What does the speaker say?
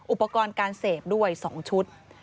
อุปกรณ์การเสพด้วย๒ชุด